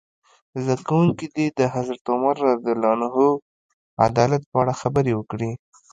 زده کوونکي دې د حضرت عمر فاروق رض عدالت په اړه خبرې وکړي.